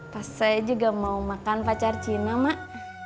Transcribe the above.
pas saya juga mau makan pacar cina mak